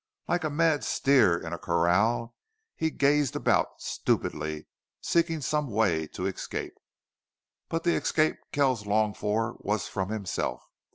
Like a mad steer in a corral he gazed about, stupidly seeking some way to escape. But the escape Kells longed for was from himself.